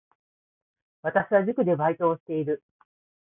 私は塾でバイトをしている